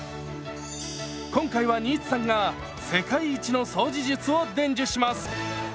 今回は新津さんが世界一の掃除術を伝授します！